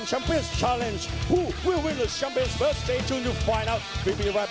มาพร้อมกับเข็มขัด๔๙กิโลกรัมซึ่งตอนนี้เป็นของวัดสินชัยครับ